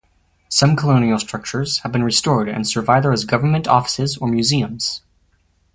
Some colonial structures have been restored and serve either as government offices or museums.